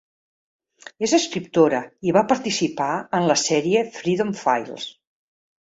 És escriptora i va participar en la sèrie "Freedom Files".